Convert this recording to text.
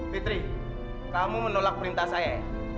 fitri kamu menolak perintah saya